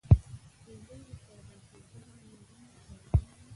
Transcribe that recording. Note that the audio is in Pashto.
اوبه يې پر غزيدلو ورنو روانې وې.